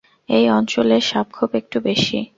এই অঞ্চলে সাপখোপ একটু বেশি।